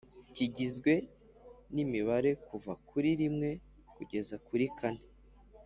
kigizwe n’imibare kuva kuri rimwe kugera kuri kane